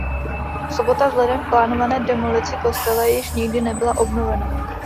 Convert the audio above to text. Sobota vzhledem k plánované demolici kostela již nikdy nebyla obnovena.